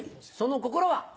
その心は？